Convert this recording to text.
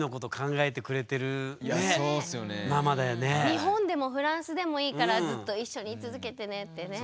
日本でもフランスでもいいからずっと一緒に居続けてねってね。